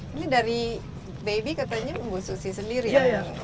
ini dari baby katanya bu susi sendiri ya